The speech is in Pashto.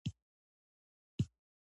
پوهان او متخصصین بهر ته ځي.